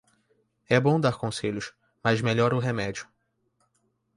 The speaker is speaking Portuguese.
É bom dar conselhos, mas melhor o remédio.